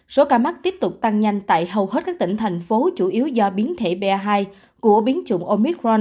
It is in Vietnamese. số ca mắc tiếp tục tăng nhanh tại hầu hết các tỉnh thành phố chủ yếu do biến thể ba hai của biến chủng omicron